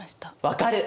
分かる！